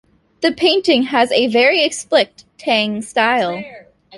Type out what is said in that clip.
The painting has a very explicit Tang style.